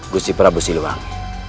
gusti prabu siliwangi